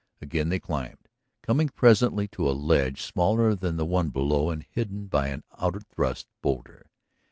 Again they climbed, coming presently to a ledge smaller than the one below and hidden by an outthrust boulder.